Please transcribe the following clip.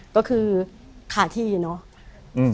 ก็คือขาดที่เนาะ